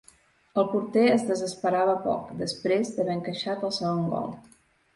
El porter es desesperava poc després d’haver encaixat el segon gol.